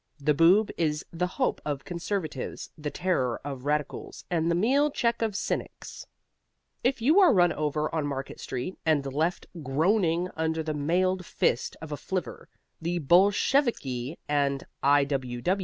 The Boob is the hope of conservatives, the terror of radicals and the meal check of cynics. If you are run over on Market Street and left groaning under the mailed fist of a flivver, the Bolsheviki and I.